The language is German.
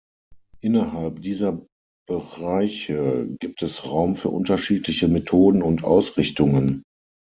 Innerhalb dieser Bereiche gibt es Raum für unterschiedliche Methoden und Ausrichtungen.